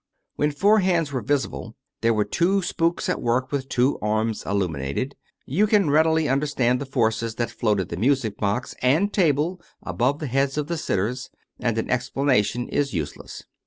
When four hands were visible there were two spooks at work with both arms illuminated. ... You can readily un derstand the forces that floated the music box and table above the heads of the sitters, and an explanation is useless.